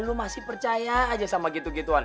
lu masih percaya aja sama gitu gituan